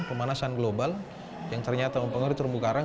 pemanasan global yang ternyata mempengaruhi terumbu karang